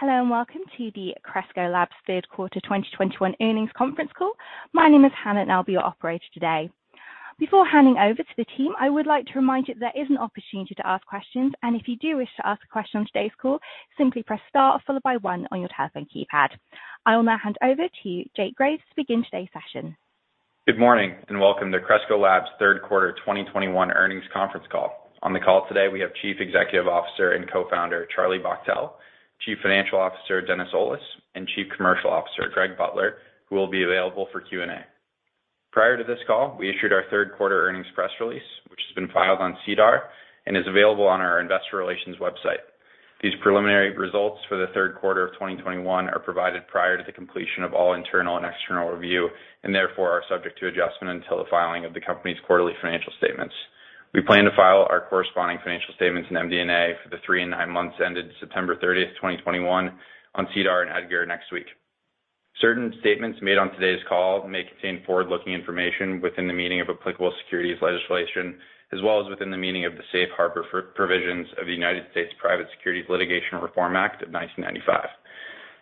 Hello, and welcome to the Cresco Labs third quarter 2021 earnings conference call. My name is Hannah, and I'll be your operator today. Before handing over to the team, I would like to remind you that there is an opportunity to ask questions. If you do wish to ask a question on today's call, simply press star followed by one on your telephone keypad. I will now hand over to Jake Graves to begin today's session. Good morning, and welcome to Cresco Labs third quarter 2021 earnings conference call. On the call today, we have Chief Executive Officer and Co-founder, Charlie Bachtell, Chief Financial Officer, Dennis Olis, and Chief Commercial Officer, Greg Butler, who will be available for Q&A. Prior to this call, we issued our third quarter earnings press release which has been filed on SEDAR and is available on our investor relations website. These preliminary results for the third quarter of 2021 are provided prior to the completion of all internal and external review, and therefore are subject to adjustment until the filing of the company's quarterly financial statements. We plan to file our corresponding financial statements and MD&A for the three and nine months ended September 30, 2021 on SEDAR and EDGAR next week. Certain statements made on today's call may contain forward-looking information within the meaning of applicable securities legislation, as well as within the meaning of the Safe Harbor for Provisions of the United States Private Securities Litigation Reform Act of 1995.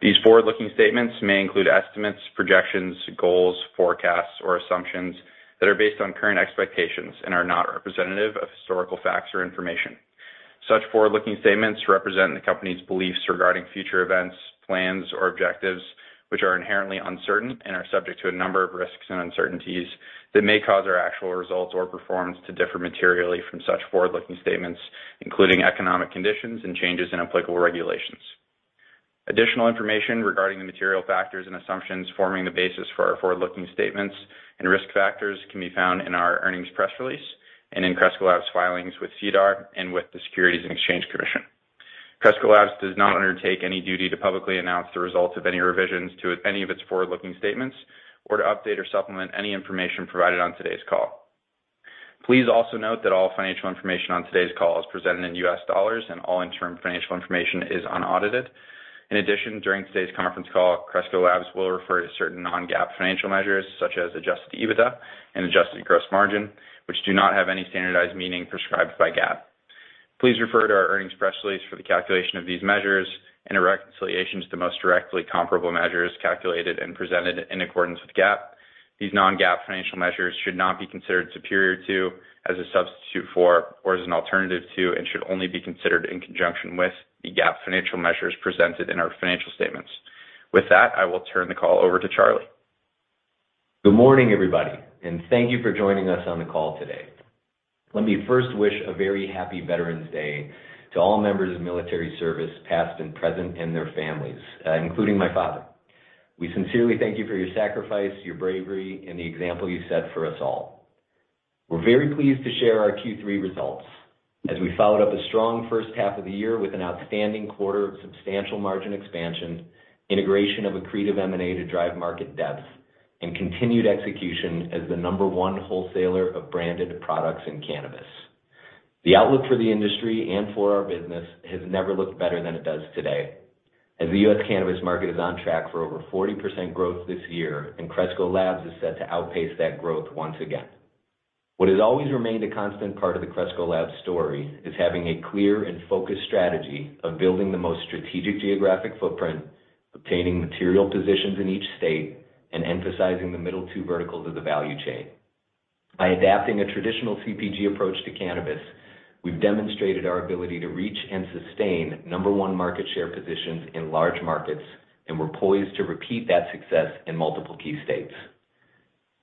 These forward-looking statements may include estimates, projections, goals, forecasts, or assumptions that are based on current expectations and are not representative of historical facts or information. Such forward-looking statements represent the company's beliefs regarding future events, plans, or objectives, which are inherently uncertain and are subject to a number of risks and uncertainties that may cause our actual results or performance to differ materially from such forward-looking statements, including economic conditions and changes in applicable regulations. Additional information regarding the material factors and assumptions forming the basis for our forward-looking statements and risk factors can be found in our earnings press release and in Cresco Labs filings with SEDAR and with the Securities and Exchange Commission. Cresco Labs does not undertake any duty to publicly announce the results of any revisions to any of its forward-looking statements or to update or supplement any information provided on today's call. Please also note that all financial information on today's call is presented in U.S. dollars and all interim financial information is unaudited. In addition, during today's conference call, Cresco Labs will refer to certain non-GAAP financial measures such as adjusted EBITDA and adjusted gross margin, which do not have any standardized meaning prescribed by GAAP. Please refer to our earnings press release for the calculation of these measures and a reconciliation to the most directly comparable measures calculated and presented in accordance with GAAP. These non-GAAP financial measures should not be considered superior to, as a substitute for, or as an alternative to, and should only be considered in conjunction with the GAAP financial measures presented in our financial statements. With that, I will turn the call over to Charlie. Good morning, everybody and thank you for joining us on the call today. Let me first wish a very Happy Veterans Day to all members of military service, past and present, and their families, including my father. We sincerely thank you for your sacrifice, your bravery, and the example you set for us all. We're very pleased to share our Q3 results as we followed up a strong first half of the year with an outstanding quarter of substantial margin expansion, integration of accretive M&A to drive market depth, and continued execution as the number one wholesaler of branded products in cannabis. The outlook for the industry and for our business has never looked better than it does today, as the U.S. cannabis market is on track for over 40% growth this year, and Cresco Labs is set to outpace that growth once again. What has always remained a constant part of the Cresco Labs story is having a clear and focused strategy of building the most strategic geographic footprint, obtaining material positions in each state, and emphasizing the middle two verticals of the value chain. By adapting a traditional CPG approach to cannabis, we've demonstrated our ability to reach and sustain number one market share positions in large markets and we're poised to repeat that success in multiple key states.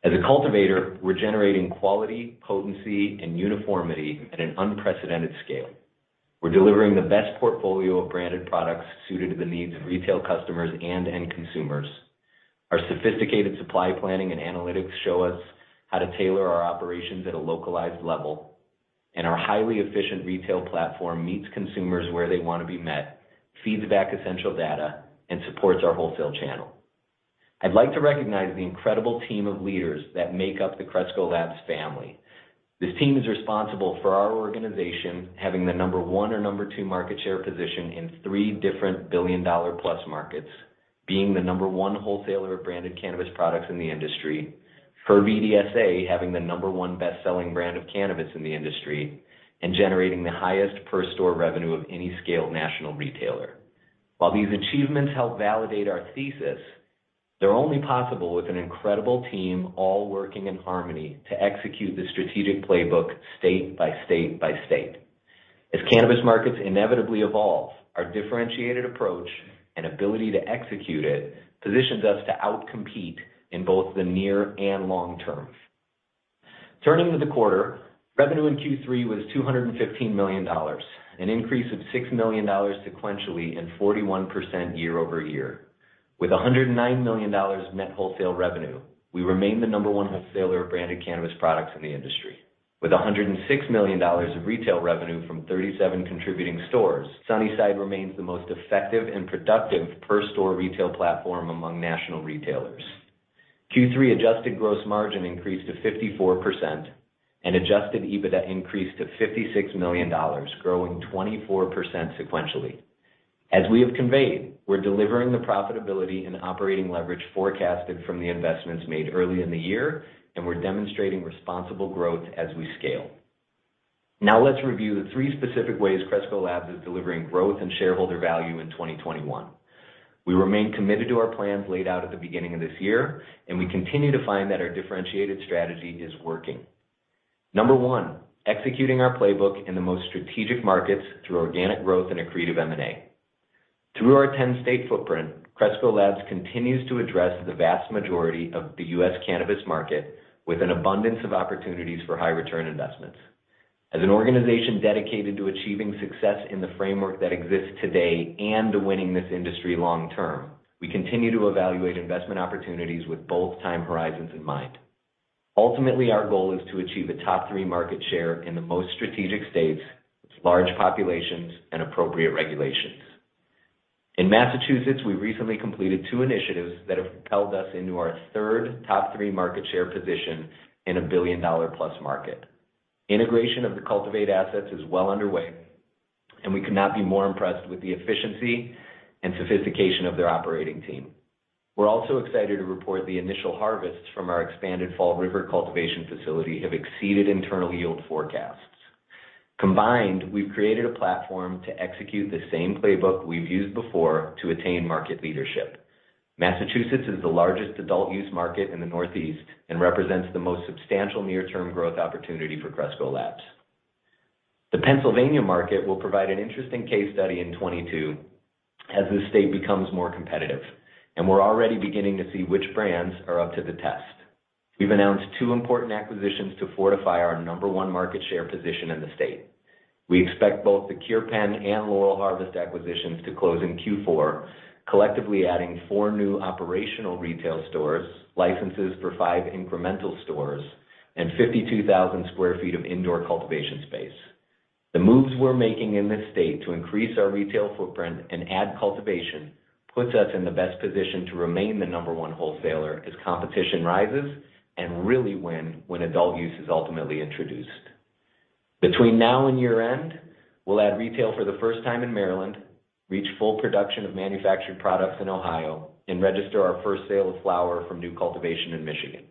As a cultivator, we're generating quality, potency, and uniformity at an unprecedented scale. We're delivering the best portfolio of branded products suited to the needs of retail customers and end consumers. Our sophisticated supply planning and analytics show us how to tailor our operations at a localized level. Our highly efficient retail platform meets consumers where they want to be met, feeds back essential data, and supports our wholesale channel. I'd like to recognize the incredible team of leaders that make up the Cresco Labs family. This team is responsible for our organization having the number one or number two market share position in three different billion-dollar-plus markets, being the number one wholesaler of branded cannabis products in the industry. Per BDSA, having the number one best-selling brand of cannabis in the industry, and generating the highest per store revenue of any scaled national retailer. While these achievements help validate our thesis, they're only possible with an incredible team all working in harmony to execute the strategic playbook state by state by state. As cannabis markets inevitably evolve, our differentiated approach and ability to execute it positions us to outcompete in both the near and long term. Turning to the quarter, revenue in Q3 was $215 million, an increase of $6 million sequentially and 41% year-over-year. With $109 million net wholesale revenue, we remain the number one wholesaler of branded cannabis products in the industry. With $106 million of retail revenue from 37 contributing stores, Sunnyside remains the most effective and productive per store retail platform among national retailers. Q3 adjusted gross margin increased to 54% and adjusted EBITDA increased to $56 million, growing 24% sequentially. As we have conveyed, we're delivering the profitability and operating leverage forecasted from the investments made early in the year, and we're demonstrating responsible growth as we scale. Now let's review the three specific ways Cresco Labs is delivering growth and shareholder value in 2021. We remain committed to our plans laid out at the beginning of this year and we continue to find that our differentiated strategy is working. Number one, executing our playbook in the most strategic markets through organic growth and accretive M&A. Through our ten-state footprint, Cresco Labs continues to address the vast majority of the U.S. cannabis market with an abundance of opportunities for high-return investments. As an organization dedicated to achieving success in the framework that exists today and to winning this industry long term, we continue to evaluate investment opportunities with both time horizons in mind. Ultimately, our goal is to achieve a top three market share in the most strategic states with large populations and appropriate regulations. In Massachusetts, we recently completed two initiatives that have propelled us into our third top three market share position in a billion-dollar-plus market. Integration of the Cultivate assets is well underway, and we could not be more impressed with the efficiency and sophistication of their operating team. We're also excited to report the initial harvests from our expanded Fall River cultivation facility have exceeded internal yield forecasts. Combined, we've created a platform to execute the same playbook we've used before to attain market leadership. Massachusetts is the largest adult use market in the Northeast and represents the most substantial near-term growth opportunity for Cresco Labs. The Pennsylvania market will provide an interesting case study in 2022 as the state becomes more competitive, and we're already beginning to see which brands are up to the test. We've announced two important acquisitions to fortify our number one market share position in the state. We expect both the Cure Penn and Laurel Harvest acquisitions to close in Q4, collectively adding four new operational retail stores, licenses for five incremental stores, and 52,000 square feet of indoor cultivation space. The moves we're making in this state to increase our retail footprint and add cultivation puts us in the best position to remain the number one wholesaler as competition rises and really win when adult use is ultimately introduced. Between now and year-end, we'll add retail for the first time in Maryland, reach full production of manufactured products in Ohio, and register our first sale of flower from new cultivation in Michigan.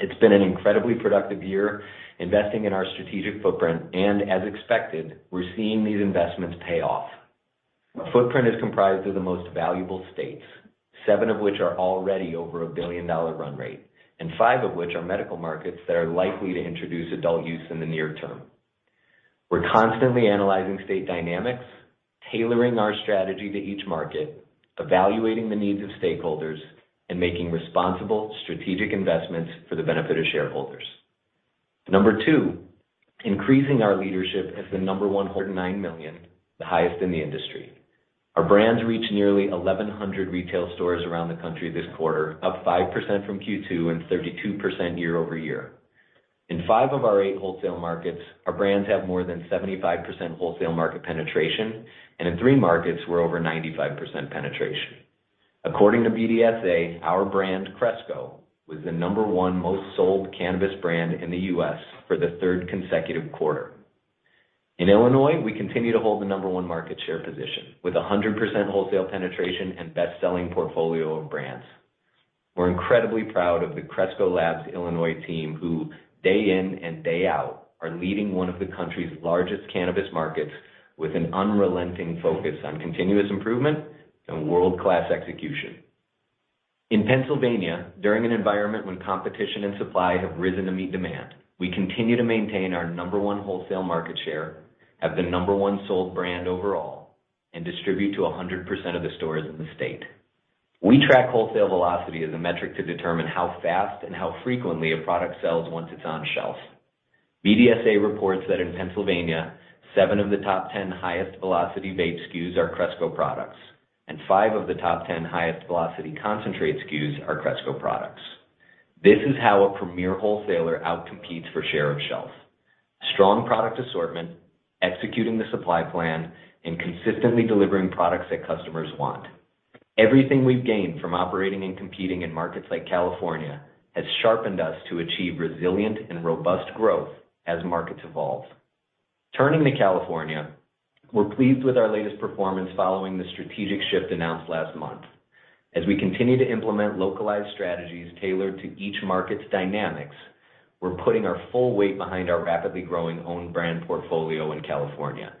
It's been an incredibly productive year investing in our strategic footprint, and as expected, we're seeing these investments pay off. Our footprint is comprised of the most valuable states, seven of which are already over a billion-dollar run rate, and five of which are medical markets that are likely to introduce adult use in the near term. We're constantly analyzing state dynamics, tailoring our strategy to each market, evaluating the needs of stakeholders, and making responsible strategic investments for the benefit of shareholders. Number two, increasing our leadership as the number one wholesaler with $309 million, the highest in the industry. Our brands reached nearly 1,100 retail stores around the country this quarter, up 5% from Q2 and 32% year-over-year. In five of our eight wholesale markets, our brands have more than 75% wholesale market penetration, and in three markets we're over 95% penetration. According to BDSA, our brand, Cresco, was the number one most sold cannabis brand in the U.S. for the third consecutive quarter. In Illinois, we continue to hold the number one market share position with 100% wholesale penetration and best-selling portfolio of brands. We're incredibly proud of the Cresco Labs Illinois team, who day in and day out are leading one of the country's largest cannabis markets with an unrelenting focus on continuous improvement and world-class execution. In Pennsylvania, during an environment when competition and supply have risen to meet demand, we continue to maintain our number one wholesale market share, have the number one sold brand overall, and distribute to 100% of the stores in the state. We track wholesale velocity as a metric to determine how fast and how frequently a product sells once it's on shelf. BDSA reports that in Pennsylvania, seven of the top 10 highest velocity vape SKUs are Cresco products, and five of the top 10 highest velocity concentrate SKUs are Cresco products. This is how a premier wholesaler out-competes for share of shelf. A strong product assortment, executing the supply plan, and consistently delivering products that customers want. Everything we've gained from operating and competing in markets like California has sharpened us to achieve resilient and robust growth as markets evolve. Turning to California, we're pleased with our latest performance following the strategic shift announced last month. As we continue to implement localized strategies tailored to each market's dynamics, we're putting our full weight behind our rapidly growing own brand portfolio in California,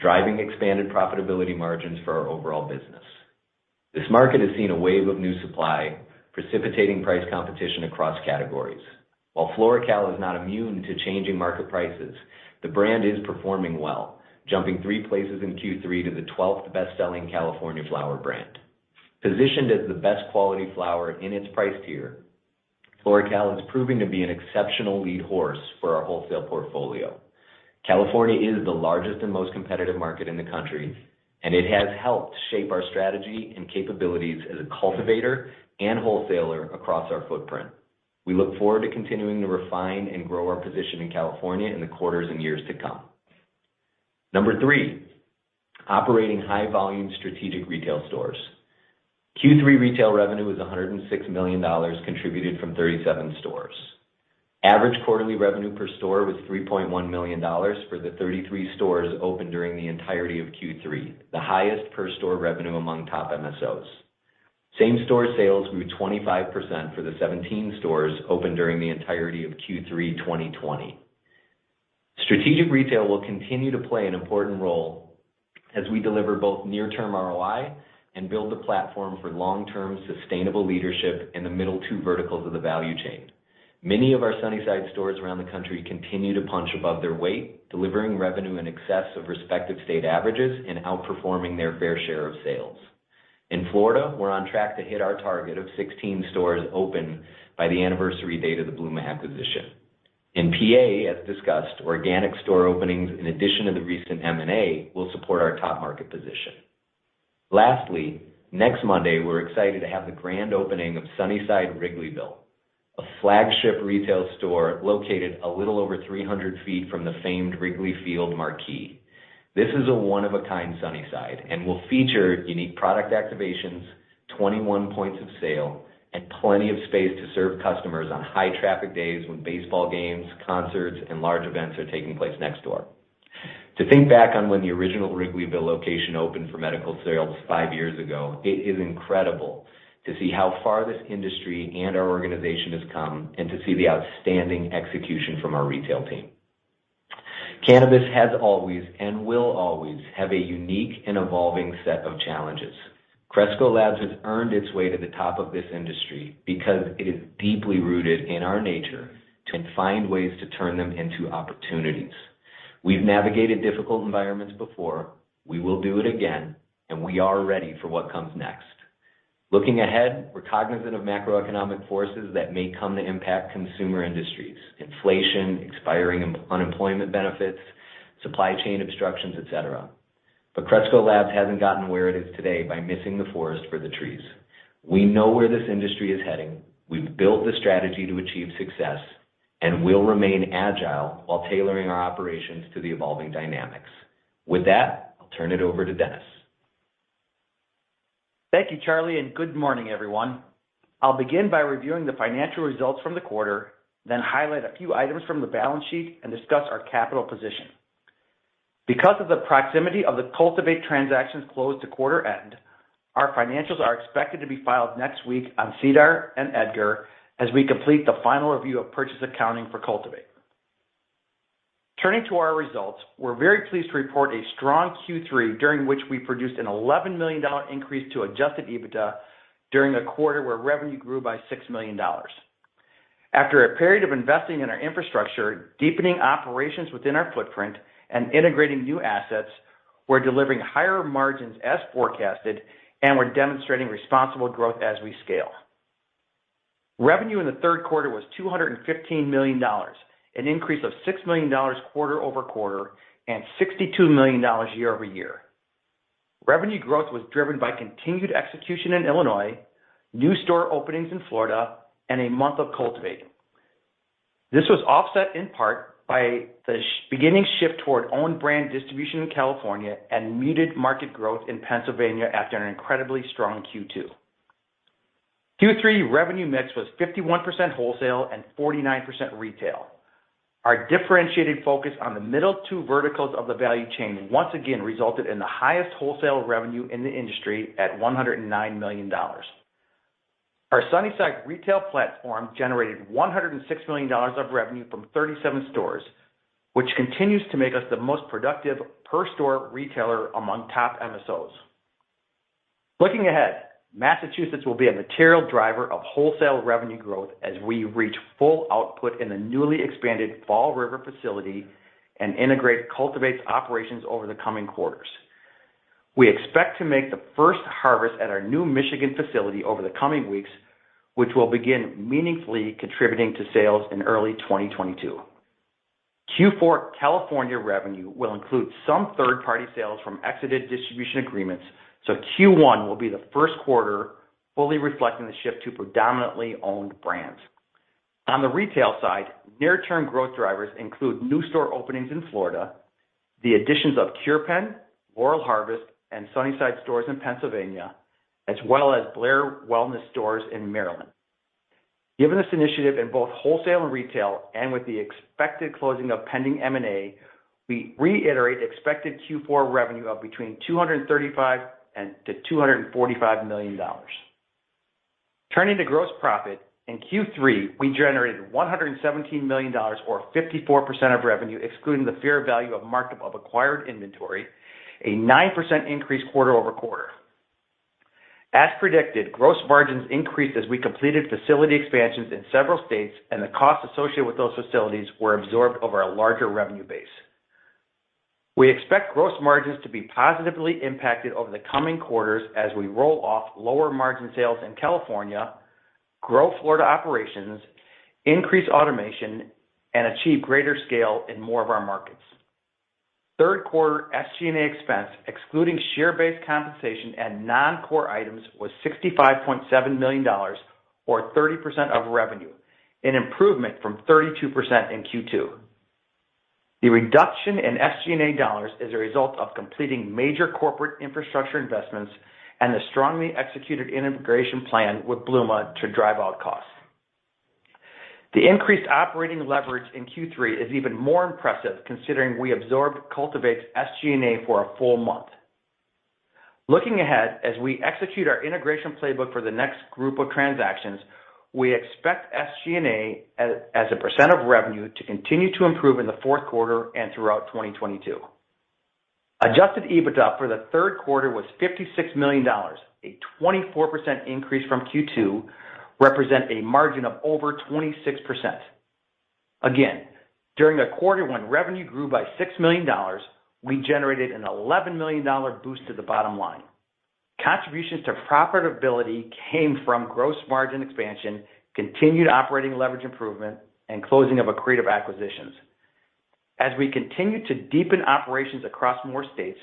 driving expanded profitability margins for our overall business. This market has seen a wave of new supply, precipitating price competition across categories. While FloraCal is not immune to changing market prices, the brand is performing well, jumping three places in Q3 to the twelfth best-selling California flower brand. Positioned as the best quality flower in its price tier, FloraCal is proving to be an exceptional lead horse for our wholesale portfolio. California is the largest and most competitive market in the country, and it has helped shape our strategy and capabilities as a cultivator and wholesaler across our footprint. We look forward to continuing to refine and grow our position in California in the quarters and years to come. Number three, operating high-volume strategic retail stores. Q3 retail revenue was $106 million contributed from 37 stores. Average quarterly revenue per store was $3.1 million for the 33 stores opened during the entirety of Q3, the highest per store revenue among top MSOs. Same-store sales grew 25% for the 17 stores open during the entirety of Q3 2020. Strategic retail will continue to play an important role as we deliver both near-term ROI and build the platform for long-term sustainable leadership in the middle two verticals of the value chain. Many of our Sunnyside stores around the country continue to punch above their weight, delivering revenue in excess of respective state averages and outperforming their fair share of sales. In Florida, we're on track to hit our target of 16 stores open by the anniversary date of the Bluma acquisition. In PA, as discussed, organic store openings in addition to the recent M&A will support our top market position. Lastly, next Monday, we're excited to have the grand opening of Sunnyside Wrigleyville, a flagship retail store located a little over 300 feet from the famed Wrigley Field marquee. This is a one-of-a-kind Sunnyside and will feature unique product activations, 21 points of sale, and plenty of space to serve customers on high traffic days when baseball games, concerts, and large events are taking place next door. To think back on when the original Wrigleyville location opened for medical sales five years ago, it is incredible to see how far this industry and our organization has come and to see the outstanding execution from our retail team. Cannabis has always and will always have a unique and evolving set of challenges. Cresco Labs has earned its way to the top of this industry because it is deeply rooted in our nature to find ways to turn them into opportunities. We've navigated difficult environments before. We will do it again, and we are ready for what comes next. Looking ahead, we're cognizant of macroeconomic forces that may come to impact consumer industries, inflation, expiring unemployment benefits, supply chain obstructions, et cetera. Cresco Labs hasn't gotten where it is today by missing the forest for the trees. We know where this industry is heading. We've built the strategy to achieve success, and we'll remain agile while tailoring our operations to the evolving dynamics. With that, I'll turn it over to Dennis. Thank you, Charlie, and good morning everyone. I'll begin by reviewing the financial results from the quarter, then highlight a few items from the balance sheet and discuss our capital position. Because of the proximity of the Cultivate transaction's close to quarter end, our financials are expected to be filed next week on SEDAR and EDGAR as we complete the final review of purchase accounting for Cultivate. Turning to our results, we're very pleased to report a strong Q3 during which we produced a $11 million increase to adjusted EBITDA during a quarter where revenue grew by $6 million. After a period of investing in our infrastructure, deepening operations within our footprint and integrating new assets, we're delivering higher margins as forecasted and we're de monstrating responsible growth as we scale. Revenue in the third quarter was $215 million, an increase of $6 million quarter-over-quarter and $62 million year-over-year. Revenue growth was driven by continued execution in Illinois, new store openings in Florida, and a month of Cultivate. This was offset in part by the beginning shift toward own brand distribution in California and muted market growth in Pennsylvania after an incredibly strong Q2. Q3 revenue mix was 51% wholesale and 49% retail. Our differentiated focus on the middle two verticals of the value chain once again resulted in the highest wholesale revenue in the industry at $109 million. Our Sunnyside retail platform generated $106 million of revenue from 37 stores which continues to make us the most productive per store retailer among top MSOs. Looking ahead, Massachusetts will be a material driver of wholesale revenue growth as we reach full output in the newly expanded Fall River facility and integrate Cultivate' s operations over the coming quarters. We expect to make the first harvest at our new Michigan facility over the coming weeks which will begin meaningfully contributing to sales in early 2022. Q4 California revenue will include some third-party sales from exited distribution agreements so Q1 will be the first quarter fully reflecting the shift to predominantly owned brands. On the retail side, near-term growth drivers include new store openings in Florida, the additions of Cure Penn, Laurel Harvest, and Sunnyside stores in Pennsylvania, as well as Blair Wellness stores in Maryland. Given this initiative in both wholesale and retail, and with the expected closing of pending M&A, we reiterate expected Q4 revenue of between $235 million and $245 million. Turning to gross profit, in Q3, we generated $117 million or 54% of revenue excluding the fair value of markup of acquired inventory, a 9% increase quarter-over-quarter. As predicted, gross margins increased as we completed facility expansions in several states and the costs associated with those facilities were absorbed over a larger revenue base. We expect gross margins to be positively impacted over the coming quarters as we roll off lower margin sales in California, grow Florida operations, increase automation, and achieve greater scale in more of our markets. Third quarter SG&A expense, excluding share-based compensation and non-core items, was $65.7 million or 30% of revenue, an improvement from 32% in Q2. The reduction in SG&A dollars is a result of completing major corporate infrastructure investments and a strongly executed integration plan with Bluma to drive out costs. The increased operating leverage in Q3 is even more impressive considering we absorbed Cultivate' s SG&A for a full month. Looking ahead, as we execute our integration playbook for the next group of transactions, we expect SG&A as a percent of revenue to continue to improve in the fourth quarter and throughout 2022. Adjusted EBITDA for the third quarter was $56 million, a 24% increase from Q2, represent a margin of over 26%. Again, during a quarter when revenue grew by $6 million, we generated an $11 million boost to the bottom line. Contributions to profitability came from gross margin expansion, continued operating leverage improvement, and closing of accretive acquisitions. As we continue to deepen operations across more states,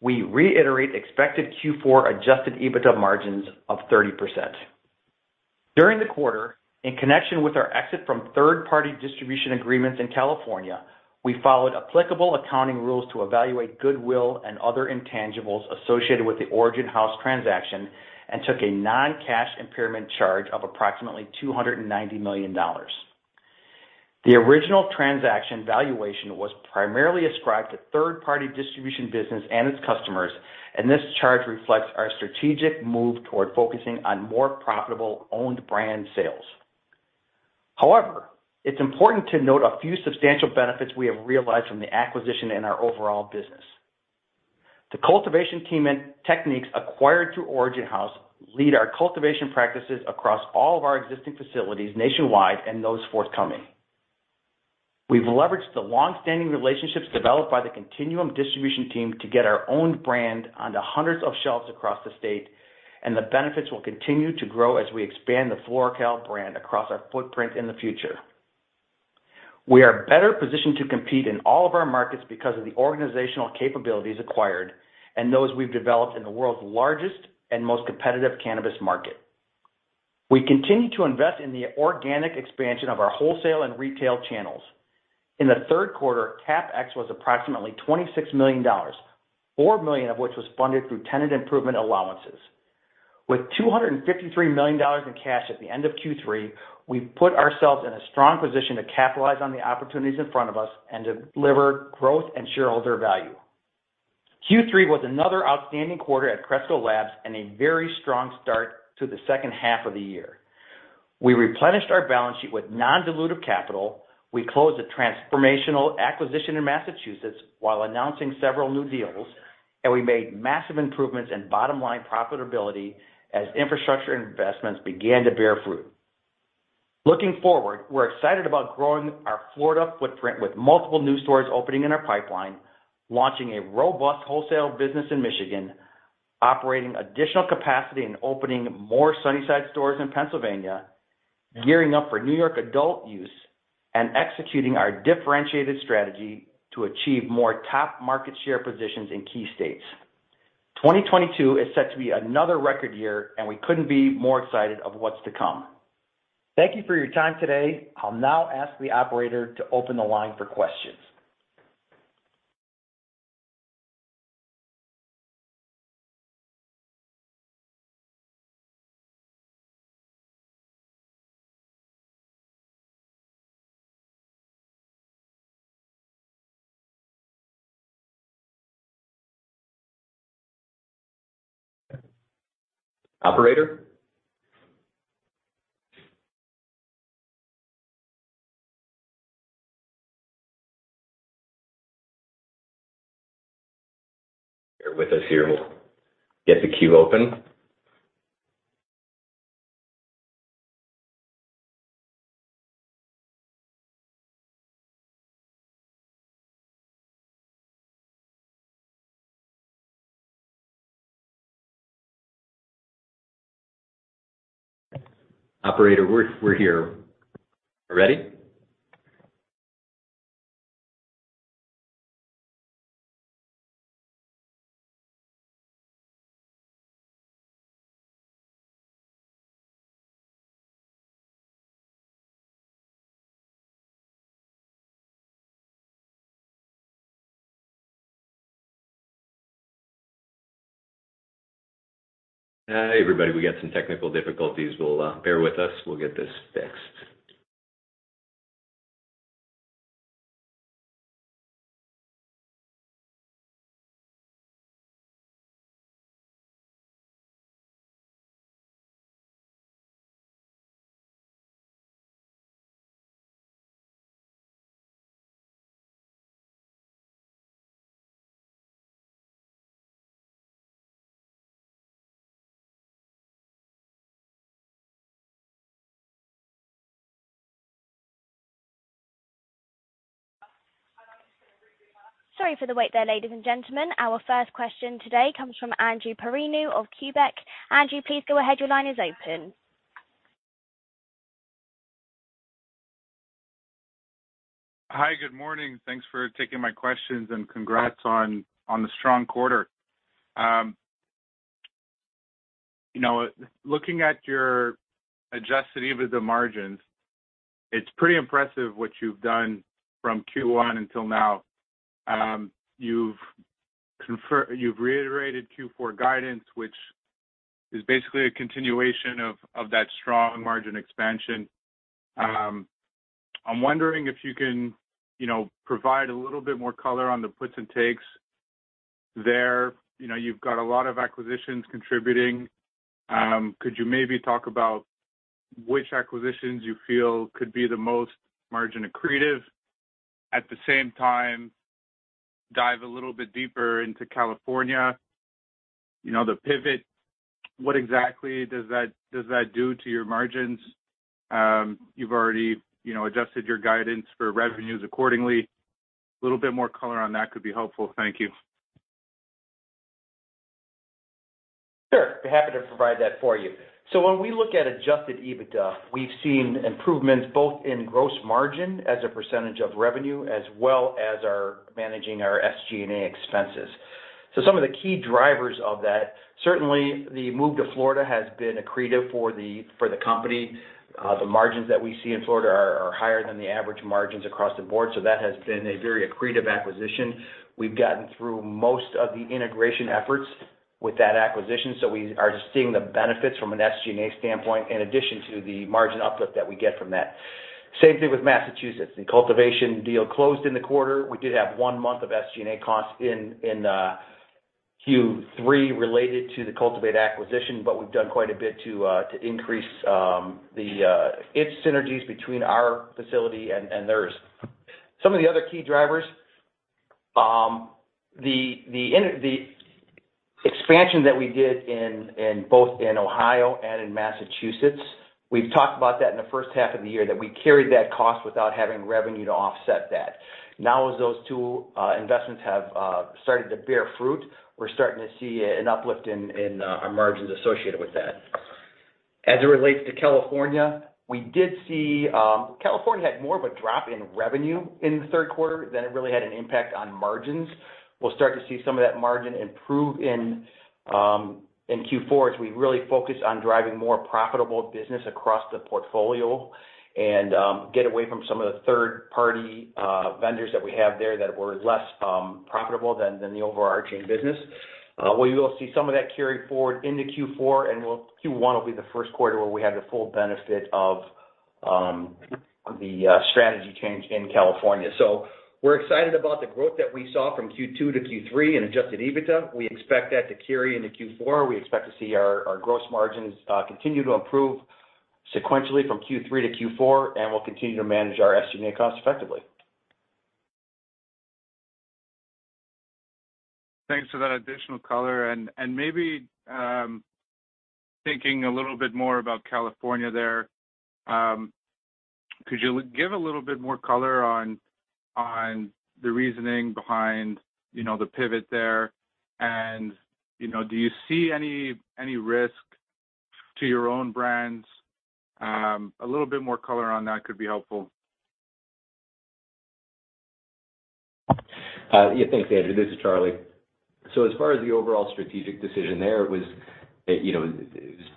we reiterate expected Q4 adjusted EBITDA margins of 30%. During the quarter, in connection with our exit from third-party distribution agreements in California, we followed applicable accounting rules to evaluate goodwill and other intangibles associated with the Origin House transaction and took a non-cash impairment charge of approximately $290 million. The original transaction valuation was primarily ascribed to third-party distribution business and its customers and this charge reflects our strategic move toward focusing on more profitable owned brand sales. However, it's important to note a few substantial benefits we have realized from the acquisition in our overall business. The cultivation team and techniques acquired through Origin House lead our cultivation practices across all of our existing facilities nationwide and those forthcoming. We've leveraged the long-standing relationships developed by the Continuum distribution team to get our own brand onto hundreds of shelves across the state, and the benefits will continue to grow as we expand the FloraCal brand across our footprint in the future. We are better positioned to compete in all of our markets because of the organizational capabilities acquired and those we've developed in the world's largest and most competitive cannabis market. We continue to invest in the organic expansion of our wholesale and retail channels. In the third quarter, CapEx was approximately $26 million, $4 million of which was funded through tenant improvement allowances. With $253 million in cash at the end of Q3, we've put ourselves in a strong position to capitalize on the opportunities in front of us and deliver growth and shareholder value. Q3 was another outstanding quarter at Cresco Labs and a very strong start to the second half of the year. We replenished our balance sheet with non-dilutive capital, we closed a transformational acquisition in Massachusetts while announcing several new deals, and we made massive improvements in bottom-line profitability as infrastructure investments began to bear fruit. Looking forward, we're excited about growing our Florida footprint with multiple new stores opening in our pipeline, launching a robust wholesale business in Michigan, operating additional capacity and opening more Sunnyside stores in Pennsylvania, gearing up for New York adult use, and executing our differentiated strategy to achieve more top market share positions in key states. 2022 is set to be another record year and we couldn't be more excited of what's to come. Thank you for your time today. I'll now ask the operator to open the line for questions. Operator? Bear with us here. We'll get the queue open. Operator, we're here. Ready? Everybody, we got some technical difficulties. Bear with us. We'll get this fixed. Sorry for the wait there, ladies and gentlemen. Our first question today comes from Andrew Partheniou of Stifel. Andrew, please go ahead. Your line is open. Hi, good morning. Thanks for taking my questions, and congrats on the strong quarter. You know, looking at your adjusted EBITDA margins, it's pretty impressive what you've done from Q1 until now. You've reiterated Q4 guidance, which is basically a continuation of that strong margin expansion. I'm wondering if you can, you know, provide a little bit more color on the puts and takes there. You know, you've got a lot of acquisitions contributing. Could you maybe talk about which acquisitions you feel could be the most margin accretive? At the same time, dive a little bit deeper into California, you know, the pivot. What exactly does that do to your margins? You've already, you know, adjusted your guidance for revenues accordingly. A little bit more color on that could be helpful. Thank you. Sure. Be happy to provide that for you. When we look at adjusted EBITDA, we've seen improvements both in gross margin as a percentage of revenue, as well as in managing our SG&A expenses. Some of the key drivers of that, certainly the move to Florida has been accretive for the company. The margins that we see in Florida are higher than the average margins across the board. That has been a very accretive acquisition. We've gotten through most of the integration efforts with that acquisition, so we are seeing the benefits from an SG&A standpoint in addition to the margin uplift that we get from that. Same thing with Massachusetts. The cultivation deal closed in the quarter. We did have one month of SG&A costs in Q3 related to the Cultivate acquisition, but we've done quite a bit to increase its synergies between our facility and theirs. Some of the other key drivers. The expansion that we did in both Ohio and in Massachusetts, we've talked about that in the first half of the year, that we carried that cost without having revenue to offset that. Now, as those two investments have started to bear fruit, we're starting to see an uplift in our margins associated with that. As it relates to California, we did see California had more of a drop in revenue in the third quarter than it really had an impact on margins. We'll start to see some of that margin improve in Q4 as we really focus on driving more profitable business across the portfolio and get away from some of the third-party vendors that we have there that were less profitable than the overarching business. We will see some of that carry forward into Q4. Q1 will be the first quarter where we have the full benefit of the strategy change in California. We're excited about the growth that we saw from Q2 to Q3 in adjusted EBITDA. We expect that to carry into Q4. We expect to see our gross margins continue to improve sequentially from Q3 to Q4, and we'll continue to manage our SG&A costs effectively. Thanks for that additional color. Maybe thinking a little bit more about California there, could you give a little bit more color on the reasoning behind, you know, the pivot there? You know, do you see any risk to your own brands? A little bit more color on that could be helpful. Yeah, thanks, Andrew. This is Charlie. As far as the overall strategic decision there, it was, you know,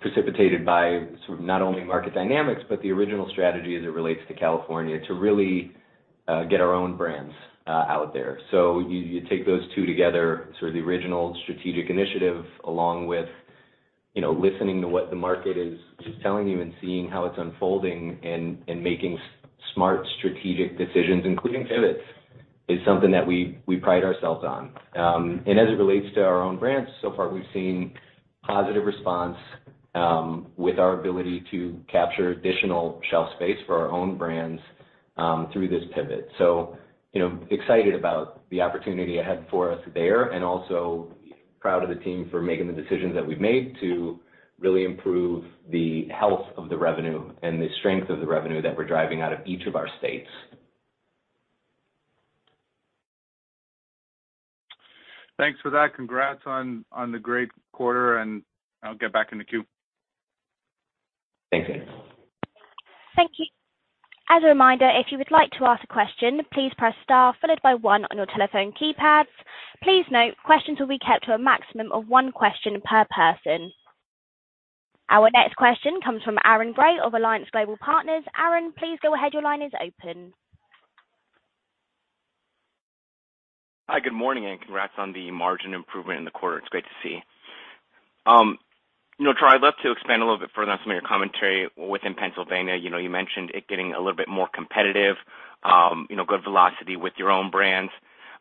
precipitated by sort of not only market dynamics but the original strategy as it relates to California to really get our own brands out there. You take those two together, sort of the original strategic initiative, along with, you know, listening to what the market is telling you and seeing how it's unfolding. And making smart strategic decisions including pivots is something that we pride ourselves on. As it relates to our own brands so far we've seen positive response with our ability to capture additional shelf space for our own brands through this pivot. So you know, excited about the opportunity ahead for us there and also proud of the team for making the decisions that we've made to really improve the health of the revenue and the strength of the revenue that we're driving out of each of our states. Thanks for that. Congrats on the great quarter and I'll get back in the queue. Thanks. Thank you. As a reminder, if you would like to ask a question, please press star followed by one on your telephone keypads. Please note, questions will be kept to a maximum of one question per person. Our next question comes from Aaron Grey of Alliance Global Partners. Aaron, please go ahead. Your line is open. Hi, good morning, and congrats on the margin improvement in the quarter. It's great to see. You know, Charlie, I'd love to expand a little bit further on some of your commentary within Pennsylvania. You know, you mentioned it getting a little bit more competitive, you know, good velocity with your own brands.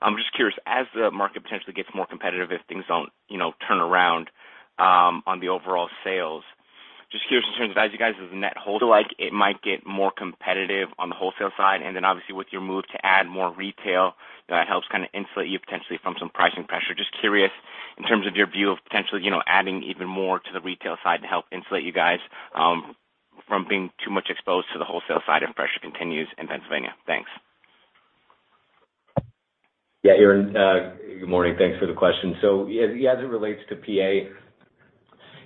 I'm just curious, as the market potentially gets more competitive, if things don't, you know, turn around, on the overall sales, just curious in terms of as you guys as a net holder, like it might get more competitive on the wholesale side. Obviously with your move to add more retail that helps kind of insulate you potentially from some pricing pressure. Just curious in terms of your view of potentially, you know, adding even more to the retail side to help insulate you guys from being too much exposed to the wholesale side if pressure continues in Pennsylvania? Thanks. Yeah, Aaron, good morning. Thanks for the question. So as it relates to PA,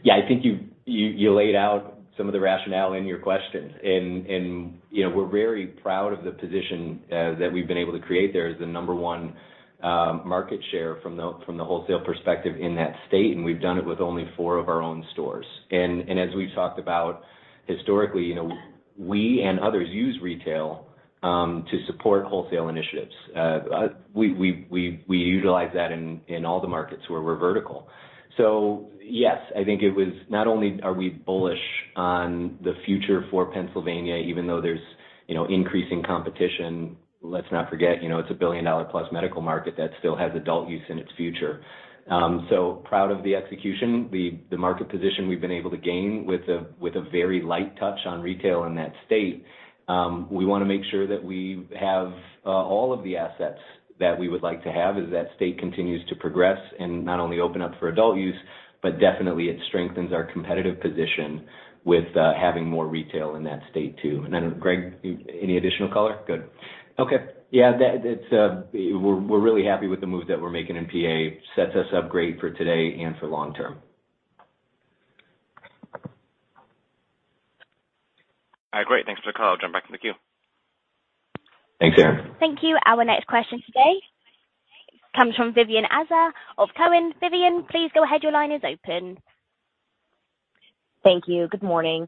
yeah, I think you laid out some of the rationale in your questions. You know, we're very proud of the position that we've been able to create there as the number one market share from the wholesale perspective in that state, and we've done it with only four of our own stores. As we've talked about historically, you know, we and others use retail. To support wholesale initiatives. We utilize that in all the markets where we're vertical. Yes, I think it was not only are we bullish on the future for Pennsylvania even though there's, you know, increasing competition, let's not forget, you know, it's a billion-dollar-plus medical market that still has adult use in its future. Proud of the execution. The market position we've been able to gain with a very light touch on retail in that state. We wanna make sure that we have all of the assets that we would like to have as that state continues to progress and not only open up for adult use, but definitely it strengthens our competitive position with having more retail in that state too. Greg, any additional color? Good. Okay. Yeah, that's. We're really happy with the move that we're making in PA. It sets us up great for today and for long term. All right, great. Thanks for the call. Jump back in the queue. Thanks, Aaron. Thank you. Our next question today comes from Vivien Azer of Cowen. Vivien, please go ahead. Your line is open. Thank you. Good morning.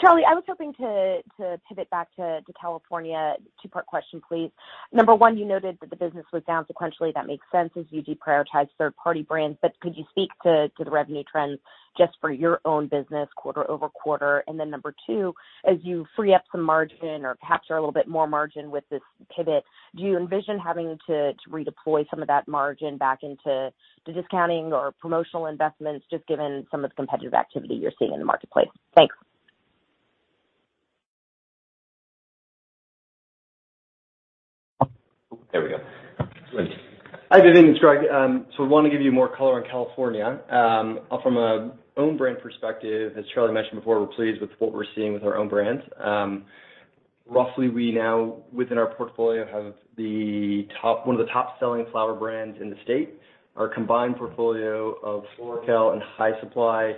Charlie, I was hoping to pivot back to California. Two-part question, please. Number one, you noted that the business was down sequentially. That makes sense as you deprioritize third-party brands. Could you speak to the revenue trends just for your own business quarter over quarter? And then number two, as you free up some margin or capture a little bit more margin with this pivot, do you envision having to redeploy some of that margin back into the discounting or promotional investments, just given some of the competitive activity you're seeing in the marketplace? Thanks. There we go. Hi, Vivien. It's Greg. Wanna give you more color on California. From our own brand perspective, as Charlie mentioned before, we're pleased with what we're seeing with our own brands. Roughly, we now within our portfolio have one of the top-selling flower brands in the state. Our combined portfolio of FloraCal and High Supply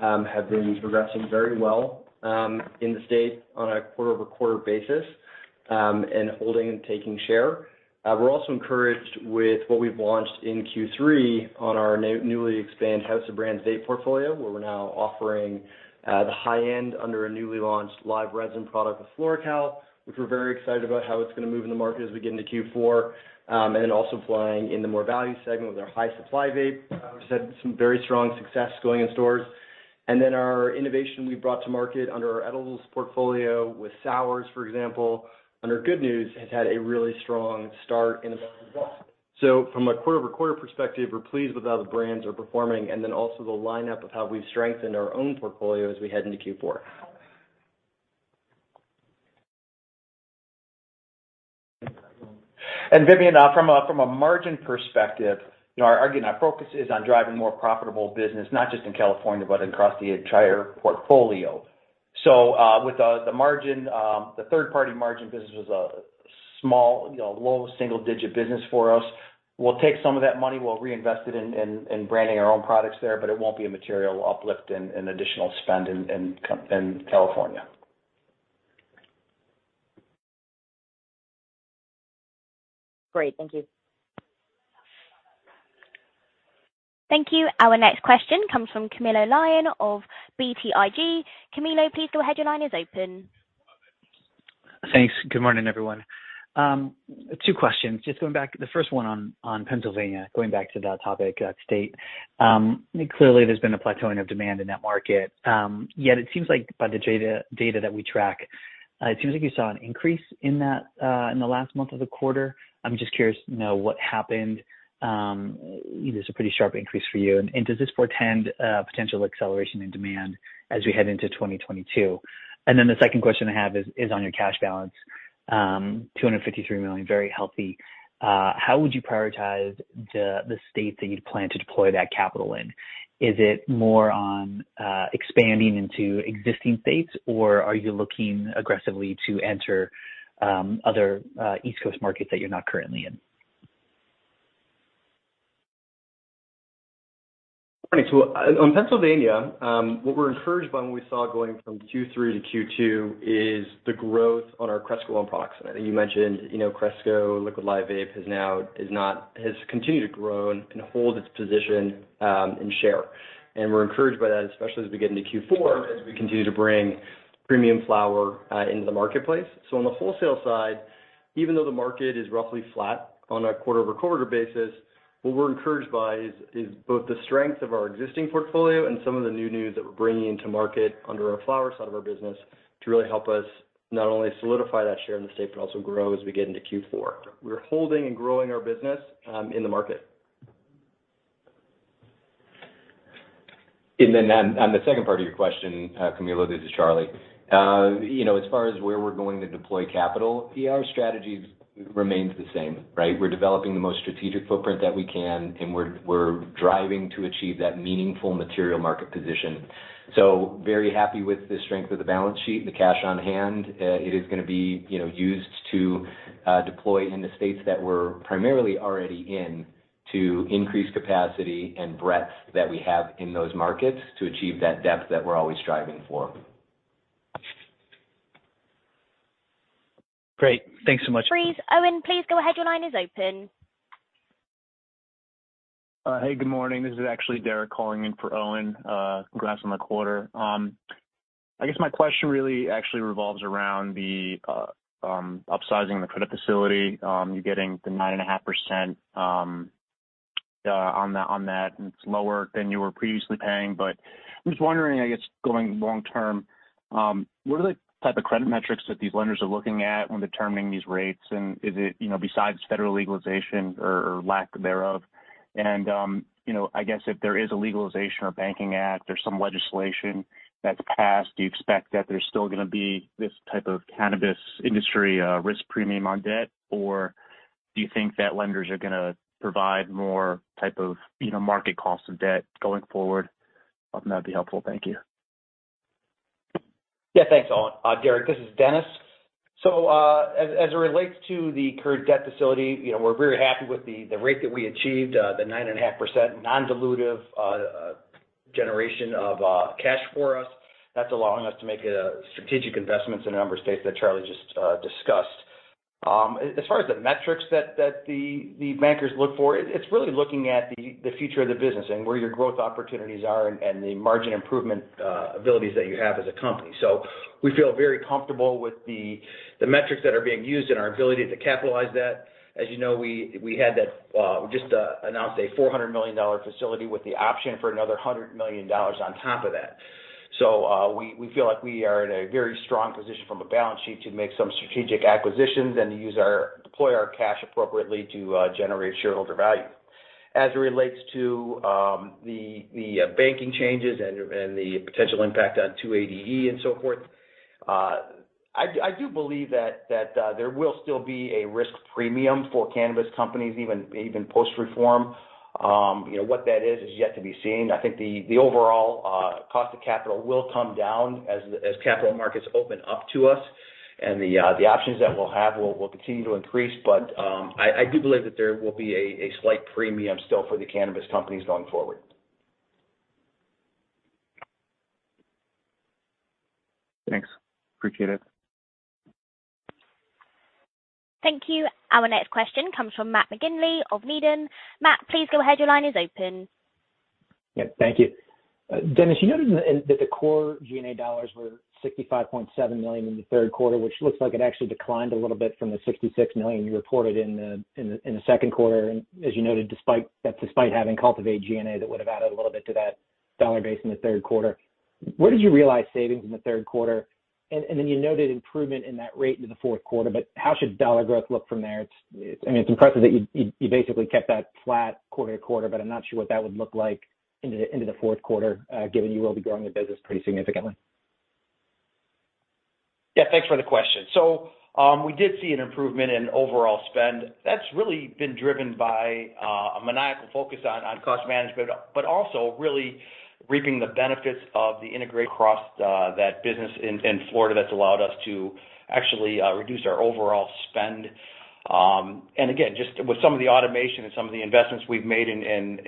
have been progressing very well in the state on a quarter-over-quarter basis and holding and taking share. We're also encouraged with what we've launched in Q3 on our newly expanded House of Brands vape portfolio, where we're now offering the high-end under a newly launched live resin product with FloraCal, which we're very excited about how it's gonna move in the market as we get into Q4 and then also flying in the more value segment with our High Supply vape. We've had some very strong success going in stores. Our innovation we brought to market under our edibles portfolio with sours, for example, under Good News has had a really strong start and well. From a quarter-over-quarter perspective, we're pleased with how the brands are performing and then also the lineup of how we've strengthened our own portfolio as we head into Q4. Vivian, from a margin perspective, you know, our focus again is on driving more profitable business, not just in California, but across the entire portfolio. With the margin, the third-party margin business was a small, you know, low single digit business for us. We'll take some of that money, we'll reinvest it in branding our own products there, but it won't be a material uplift in additional spend in California. Great. Thank you. Thank you. Our next question comes from Camilo Lyon of BTIG. Camilo, please go ahead. Your line is open. Thanks. Good morning, everyone. Two questions. Just going back, the first one on Pennsylvania, going back to that topic, state. Clearly there's been a plateauing of demand in that market. Yet it seems like by the data that we track, it seems like you saw an increase in that, in the last month of the quarter. I'm just curious to know what happened. It's a pretty sharp increase for you. And does this portend a potential acceleration in demand as we head into 2022? Then the second question I have is on your cash balance, $253 million, very healthy. How would you prioritize the state that you'd plan to deploy that capital in? Is it more on expanding into existing states or are you looking aggressively to enter other East Coast markets that you're not currently in? Great. On Pennsylvania, what we're encouraged by when we saw going from Q2 to Q3 is the growth on our Cresco's own products. I think you mentioned, you know, Cresco Liquid Live Resin has continued to grow and hold its position in share. We're encouraged by that especially as we get into Q4, as we continue to bring premium flower into the marketplace. On the wholesale side, even though the market is roughly flat on a quarter-over-quarter basis, what we're encouraged by is both the strength of our existing portfolio and some of the new news that we're bringing into market under our flower side of our business to really help us not only solidify that share in the state, but also grow as we get into Q4. We're holding and growing our business in the market. Then on the second part of your question, Camilo, this is Charlie. You know, as far as where we're going to deploy capital, yeah, our strategies remains the same, right? We're developing the most strategic footprint that we can and we're driving to achieve that meaningful material market position. Very happy with the strength of the balance sheet and the cash on hand. It is gonna be, you know, used to deploy in the states that we're primarily already in to increase capacity and breadth that we have in those markets to achieve that depth that we're always striving for. Great. Thanks so much. Please, Owen, please go ahead. Your line is open. Hey, good morning. This is actually Derek calling in for Owen. Congrats on the quarter. I guess my question really actually revolves around the upsizing the credit facility. You getting the 9.5% on that, and it's lower than you were previously paying, but I'm just wondering, I guess, going long-term, what are the type of credit metrics that these lenders are looking at when determining these rates? And is it, you know, besides federal legalization or lack thereof? And you know, I guess if there is a legalization or banking act or some legislation that's passed, do you expect that there's still gonna be this type of cannabis industry risk premium on debt? Do you think that lenders are gonna provide more type of, you know, market cost of debt going forward? Hoping that'd be helpful. Thank you. Yeah, thanks, Owen. Derek, this is Dennis. As it relates to the current debt facility, you know, we're very happy with the rate that we achieved the 9.5% non-dilutive generation of cash for us. That's allowing us to make strategic investments in a number of states that Charlie just discussed. As far as the metrics that the bankers look for, it's really looking at the future of the business and where your growth opportunities are and the margin improvement abilities that you have as a company. We feel very comfortable with the metrics that are being used and our ability to capitalize that. As you know, we had just announced a $400 million facility with the option for another $100 million on top of that. We feel like we are in a very strong position from a balance sheet to make some strategic acquisitions and to deploy our cash appropriately to generate shareholder value. As it relates to the banking changes and the potential impact on 280E and so forth, I do believe that there will still be a risk premium for cannabis companies, even post-reform. You know, what that is is yet to be seen. I think the overall cost of capital will come down as capital markets open up to us and the options that we'll have will continue to increase but I do believe that there will be a slight premium still for the cannabis companies going forward. Thanks. Appreciate it. Thank you. Our next question comes from Matt McGinley of Needham. Matt, please go ahead. Your line is open. Yeah, thank you. Dennis, you noted that the core G&A dollars were $65.7 million in the third quarter, which looks like it actually declined a little bit from the $66 million you reported in the second quarter. As you noted, despite that, despite having Cultivate G&A, that would have added a little bit to that dollar base in the third quarter. Where did you realize savings in the third quarter? Then you noted improvement in that rate into the fourth quarter, but how should dollar growth look from there? I mean, it's impressive that you basically kept that flat quarter to quarter, but I'm not sure what that would look like into the fourth quarter, given you will be growing the business pretty significantly. Yeah. Thanks for the question. We did see an improvement in overall spend. That's really been driven by a maniacal focus on cost management but also really reaping the benefits of the integration across that business in Florida that's allowed us to actually reduce our overall spend. And again, just with some of the automation and some of the investments we've made in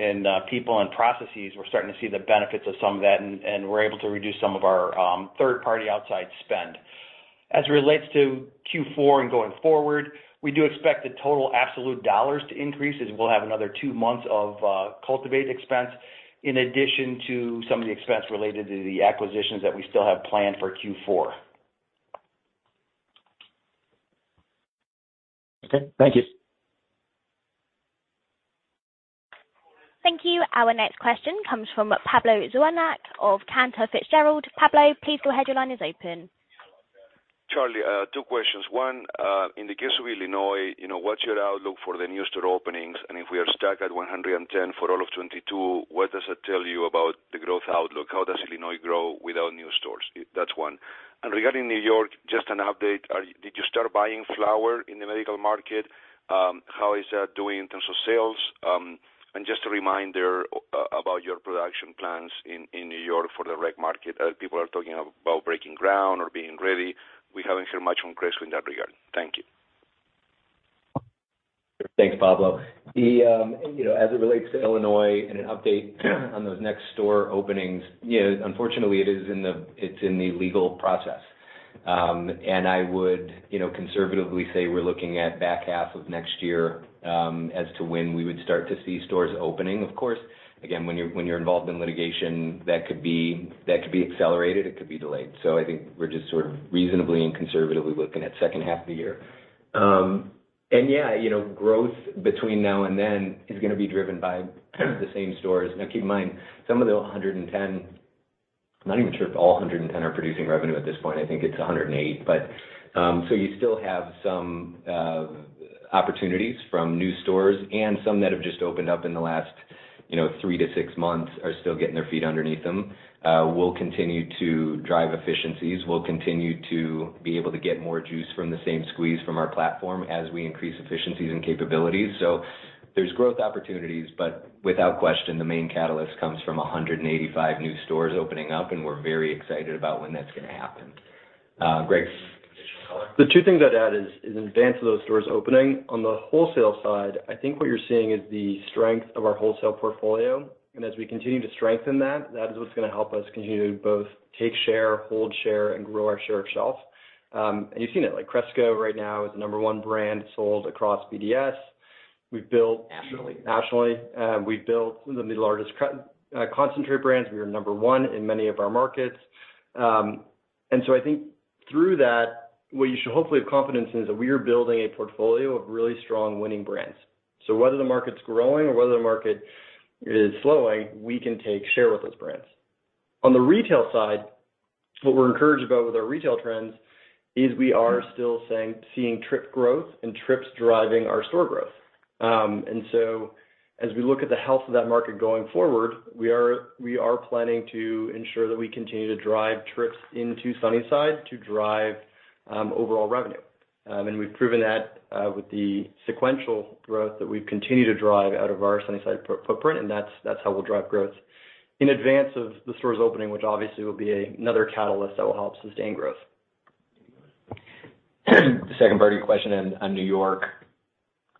people and processes, we're starting to see the benefits of some of that and we're able to reduce some of our third-party outside spend. As it relates to Q4 and going forward, we do expect the total absolute dollars to increase as we'll have another two months of Cultivate expense, in addition to some of the expense related to the acquisitions that we still have planned for Q4. Okay, thank you. Thank you. Our next question comes from Pablo Zuanic of Cantor Fitzgerald. Pablo, please go ahead. Your line is open. Charlie, two questions. One, in the case of Illinois, you know, what's your outlook for the new store openings? And if we are stuck at 110 for all of 2022, what does that tell you about the growth outlook? How does Illinois grow without new stores? That's one. And regarding New York, just an update. Did you start buying flower in the medical market? How is that doing in terms of sales? And just a reminder about your production plans in New York for the rec market. People are talking about breaking ground or being ready. We haven't heard much from Cresco in that regard. Thank you. Thanks, Pablo. The you know, as it relates to Illinois and an update on those next store openings, you know, unfortunately, it is in the legal process. I would, you know, conservatively say we're looking at back half of next year as to when we would start to see stores opening. Of course, again, when you're involved in litigation, that could be accelerated, it could be delayed. I think we're just sort of reasonably and conservatively looking at second half of the year. Yeah, you know, growth between now and then is gonna be driven by the same stores. Now keep in mind, some of the 110, I'm not even sure if all 110 are producing revenue at this point. I think it's 108. You still have some opportunities from new stores and some that have just opened up in the last, you know, three to six months are still getting their feet underneath them. We'll continue to drive efficiencies. We'll continue to be able to get more juice from the same squeeze from our platform as we increase efficiencies and capabilities. There's growth opportunities, but without question, the main catalyst comes from 185 new stores opening up and we're very excited about when that's gonna happen. Greg, any additional color? The two things I'd add is in advance of those stores opening, on the wholesale side, I think what you're seeing is the strength of our wholesale portfolio. As we continue to strengthen that is what's gonna help us continue to both take share, hold share, and grow our share of shelf. You've seen it, like Cresco right now is the number one brand sold across BDSA. We've built. Nationally. Nationally. We've built some of the largest concentrate brands. We are number one in many of our markets. I think through that, what you should hopefully have confidence in is that we are building a portfolio of really strong winning brands. Whether the market's growing or whether the market is slowing, we can take share with those brands. On the retail side, what we're encouraged about with our retail trends is we are still seeing trip growth and trips driving our store growth. As we look at the health of that market going forward, we are planning to ensure that we continue to drive trips into Sunnyside to drive overall revenue. We've proven that with the sequential growth that we've continued to drive out of our Sunnyside footprint. That's how we'll drive growth in advance of the stores opening, which obviously will be another catalyst that will help sustain growth. The second part of your question on New York.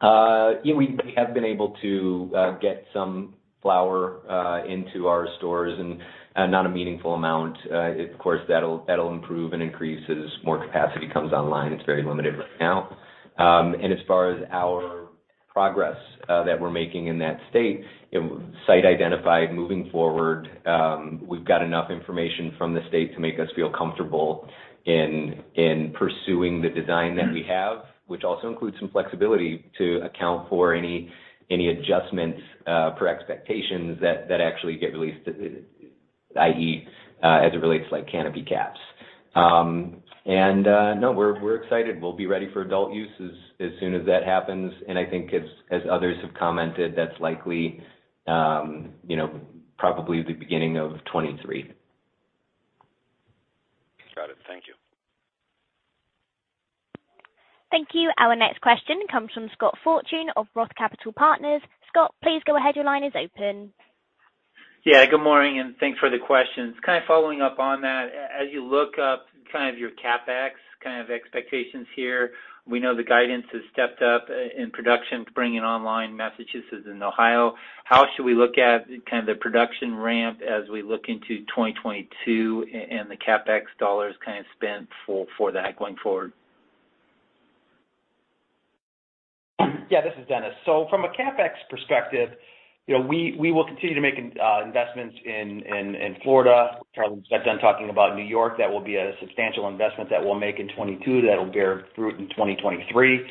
Yeah, we have been able to get some flower into our stores and not a meaningful amount. Of course, that'll improve and increase as more capacity comes online. It's very limited right now. As far as our progress that we're making in that state, you know, site identified moving forward, we've got enough information from the state to make us feel comfortable in pursuing the design that we have, which also includes some flexibility to account for any adjustments for expectations that actually get released, i.e., as it relates like canopy caps. No, we're excited. We'll be ready for adult use as soon as that happens, and I think as others have commented, that's likely, you know, probably the beginning of 2023. Got it. Thank you. Thank you. Our next question comes from Scott Fortune of ROTH Capital Partners. Scott, please go ahead. Your line is open. Yeah, good morning, and thanks for the questions. Kind of following up on that. As you look up kind of your CapEx kind of expectations here, we know the guidance has stepped up in production to bring in online Massachusetts and Ohio. How should we look at kind of the production ramp as we look into 2022 and the CapEx dollars kind of spent for that going forward? Yeah, this is Dennis. From a CapEx perspective, you know, we will continue to make investments in Florida. Charlie spent time talking about New York. That will be a substantial investment that we'll make in 2022 that'll bear fruit in 2023.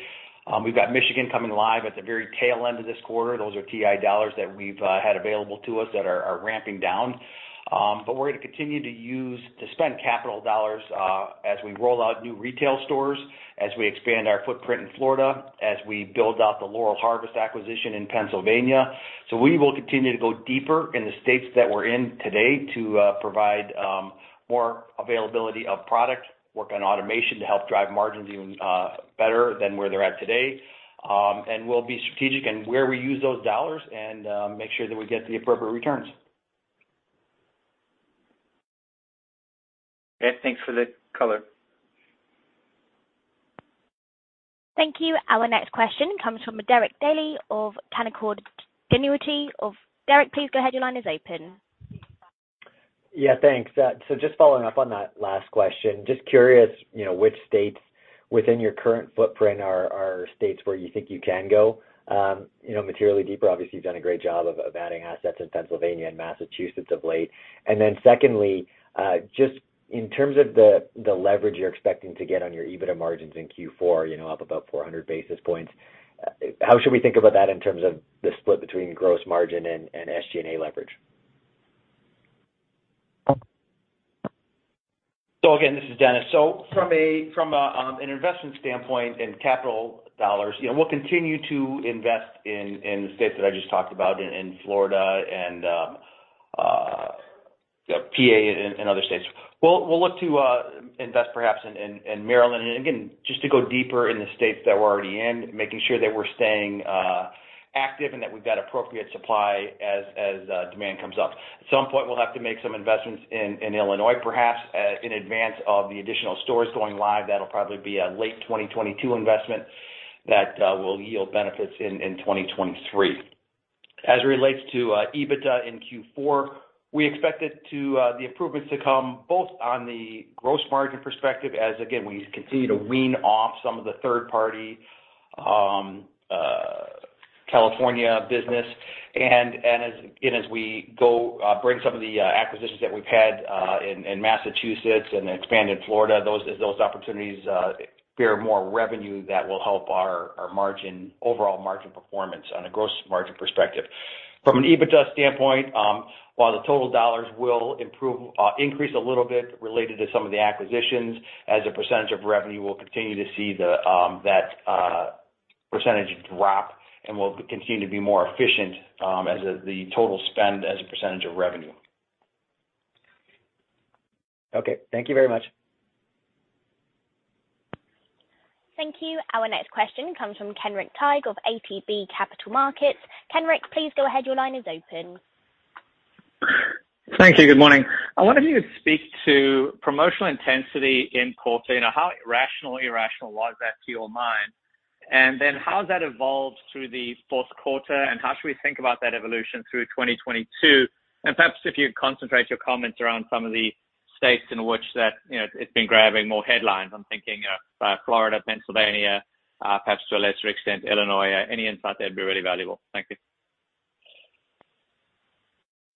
We've got Michigan coming live at the very tail end of this quarter. Those are TI dollars that we've had available to us that are ramping down. But we're gonna continue to spend capital dollars as we roll out new retail stores, as we expand our footprint in Florida, as we build out the Laurel Harvest acquisition in Pennsylvania. We will continue to go deeper in the states that we're in today to provide more availability of product, work on automation to help drive margins even better than where they're at today. We'll be strategic in where we use those dollars and make sure that we get the appropriate returns. Okay. Thanks for the color. Thank you. Our next question comes from Derek Dley of Canaccord Genuity. Derek, please go ahead. Your line is open. Yeah, thanks. So just following up on that last question. Just curious, you know, which states within your current footprint are states where you think you can go, you know, materially deeper. Obviously, you've done a great job of adding assets in Pennsylvania and Massachusetts of late. And then secondly, just in terms of the leverage you're expecting to get on your EBITDA margins in Q4, you know, up about 400 basis points, how should we think about that in terms of the split between gross margin and SG&A leverage? Again, this is Dennis. From an investment standpoint in capital dollars, you know, we'll continue to invest in the states that I just talked about in Florida and PA and other states. We'll look to invest perhaps in Maryland. Again, just to go deeper in the states that we're already in, making sure that we're staying active and that we've got appropriate supply as demand comes up. At some point, we'll have to make some investments in Illinois, perhaps in advance of the additional stores going live. That'll probably be a late 2022 investment that will yield benefits in 2023. As it relates to EBITDA in Q4, we expect the improvements to come both on the gross margin perspective as again, we continue to wean off some of the third party California business. As again, as we go bring some of the acquisitions that we've had in Massachusetts and expand in Florida, those as those opportunities bear more revenue, that will help our margin, overall margin performance on a gross margin perspective. From an EBITDA standpoint, while the total dollars will improve, increase a little bit related to some of the acquisitions as a percentage of revenue, we'll continue to see that percentage drop, and we'll continue to be more efficient as the total spend as a percentage of revenue. Okay, thank you very much. Thank you. Our next question comes from Kenric Tyghe of ATB Capital Markets. Kenric, please go ahead. Your line is open. Thank you. Good morning. I wonder if you could speak to promotional intensity in the quarter. You know, how rational or irrational was that to your mind? How has that evolved through the fourth quarter and how should we think about that evolution through 2022? Perhaps if you concentrate your comments around some of the states in which that, you know, it's been grabbing more headlines. I'm thinking of, Florida, Pennsylvania, perhaps to a lesser extent, Illinois. Any insight there would be really valuable. Thank you.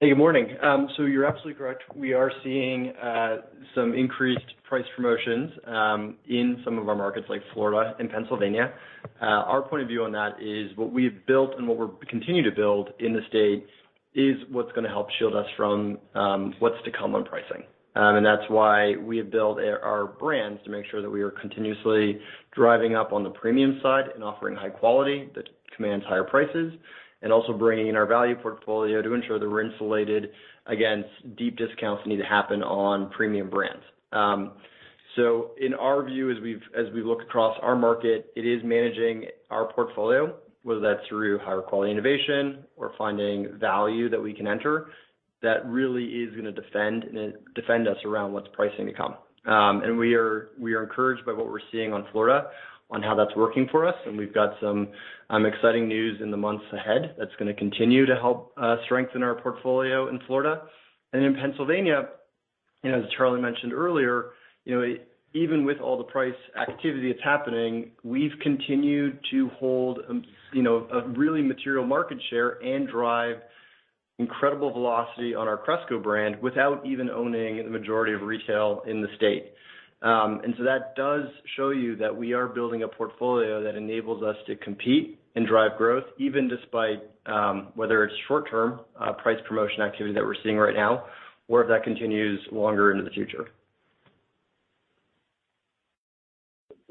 Hey, good morning. You're absolutely correct. We are seeing some increased price promotions in some of our markets like Florida and Pennsylvania. Our point of view on that is what we have built and what we're continuing to build in the state is what's gonna help shield us from what's to come on pricing. That's why we have built our brands to make sure that we are continuously driving up on the premium side and offering high quality that commands higher prices and also bringing in our value portfolio to ensure that we're insulated against deep discounts that need to happen on premium brands. In our view, as we look across our market, it is managing our portfolio, whether that's through higher quality innovation or finding value that we can enter that really is gonna defend us around what's pricing to come. We are encouraged by what we're seeing on Florida on how that's working for us, and we've got some exciting news in the months ahead that's gonna continue to help us strengthen our portfolio in Florida. In Pennsylvania, you know, as Charlie mentioned earlier, you know, even with all the price activity that's happening, we've continued to hold, you know, a really material market share and drive incredible velocity on our Cresco brand without even owning the majority of retail in the state. That does show you that we are building a portfolio that enables us to compete and drive growth even despite whether it's short-term price promotion activity that we're seeing right now or if that continues longer into the future.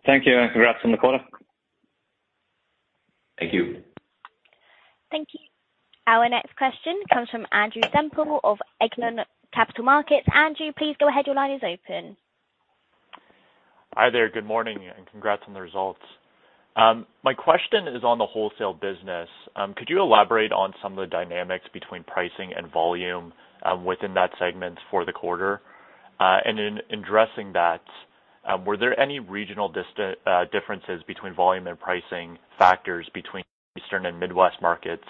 Thank you and congrats on the quarter. Thank you. Thank you. Our next question comes from Andrew Semple of Echelon Capital Markets. Andrew, please go ahead. Your line is open. Hi there. Good morning, and congrats on the results. My question is on the wholesale business. Could you elaborate on some of the dynamics between pricing and volume within that segment for the quarter? In addressing that, were there any regional differences between volume and pricing factors between Eastern and Midwest markets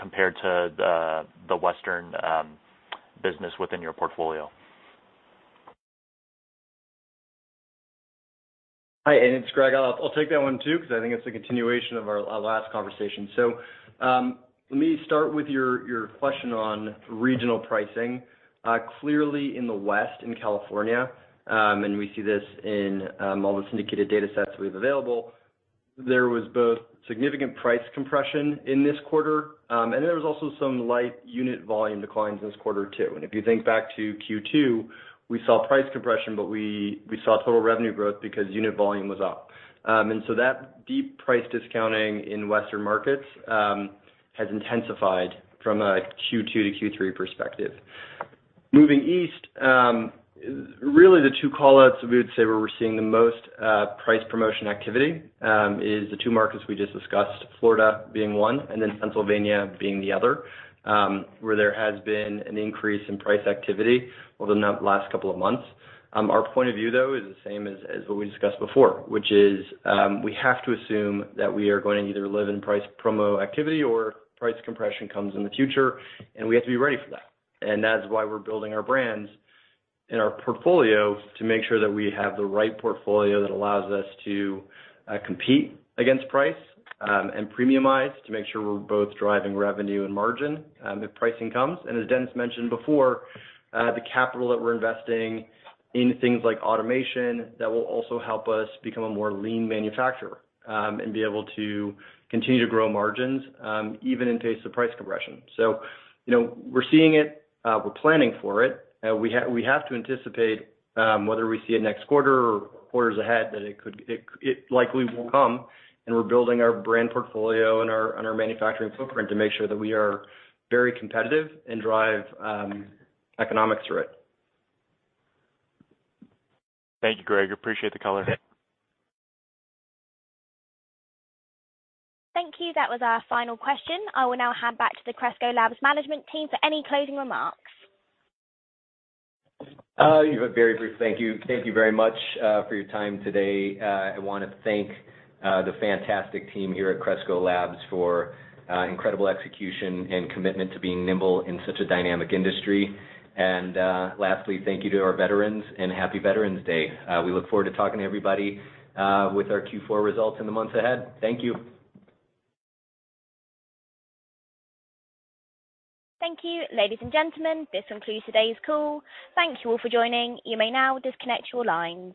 compared to the Western business within your portfolio? Hi, it's Greg. I'll take that one too, 'cause I think it's a continuation of our last conversation. Let me start with your question on regional pricing. Clearly in the West, in California, and we see this in all the syndicated datasets we have available, there was both significant price compression in this quarter, and there was also some light unit volume declines in this quarter too. If you think back to Q2, we saw price compression, but we saw total revenue growth because unit volume was up. That deep price discounting in Western markets has intensified from a Q2 to Q3 perspective. Moving east, really the two call-outs we would say where we're seeing the most, price promotion activity, is the two markets we just discussed, Florida being one and then Pennsylvania being the other, where there has been an increase in price activity over the last couple of months. Our point of view, though, is the same as what we discussed before, which is, we have to assume that we are going to either live with price promo activity or price compression comes in the future, and we have to be ready for that. That is why we're building our brands and our portfolio to make sure that we have the right portfolio that allows us to, compete against price, and premiumize to make sure we're both driving revenue and margin, if pricing comes. As Dennis mentioned before, the capital that we're investing in things like automation that will also help us become a more lean manufacturer, and be able to continue to grow margins, even in case of price compression. You know, we're seeing it. We're planning for it. We have to anticipate, whether we see it next quarter or quarters ahead, that it could. It likely will come, and we're building our brand portfolio and our manufacturing footprint to make sure that we are very competitive and drive economics through it. Thank you, Greg. Appreciate the color. Thank you. That was our final question. I will now hand back to the Cresco Labs management team for any closing remarks. Very brief thank you. Thank you very much for your time today. I wanna thank the fantastic team here at Cresco Labs for incredible execution and commitment to being nimble in such a dynamic industry. Lastly, thank you to our veterans, and Happy Veterans Day. We look forward to talking to everybody with our Q4 results in the months ahead. Thank you. Thank you. Ladies and gentlemen, this concludes today's call. Thank you all for joining. You may now disconnect your lines.